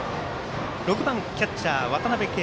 ６番キャッチャー、渡辺憩。